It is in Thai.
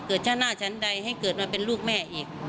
เกิดจ้าน่าฉันใดให้นะเป็นลูกแม่อีก